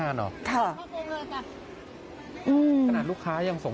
กลับเข้ากันแล้วกัน